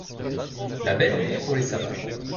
La belle nuit pour les sabbats !